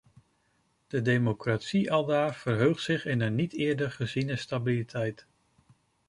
De democratie aldaar verheugt zich in een niet eerder geziene stabiliteit.